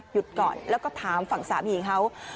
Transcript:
หยุดก่อนแล้วก็ถามฝั่งสามีเขา